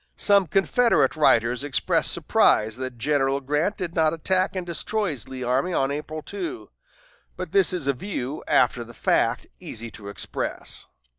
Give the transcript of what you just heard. Some Confederate writers express surprise that General Grant did not attack and destroy Lee's army on April 2; but this is a view, after the fact, easy to express.